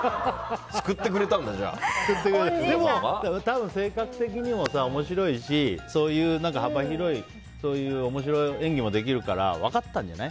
たぶん性格的にも面白いし、幅広い面白演技もできるから分かったんじゃない？